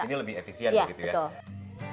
jadi lebih efisien begitu ya